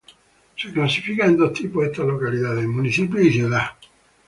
Se clasifican en dos tipos estas localidades: municipio y ciudad.